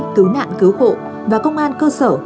cứu nạn cứu hộ và công an cơ sở